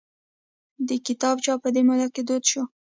د کتاب چاپ په دې موده کې دود شو.